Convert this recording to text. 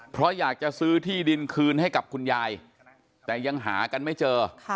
เพราะอยากจะซื้อที่ดินคืนให้กับคุณยายแต่ยังหากันไม่เจอ